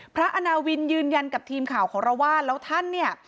อาณาวินยืนยันกับทีมข่าวของเราว่าแล้วท่านเนี่ย